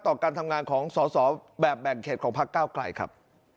การทำงานของสอสอแบบแบ่งเขตของพักเก้าไกลครับ